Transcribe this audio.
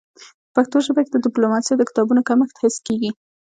په پښتو ژبه کي د ډيپلوماسی د کتابونو کمښت حس کيږي.